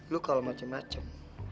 lo kalau macem macem